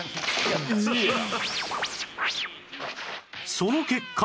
その結果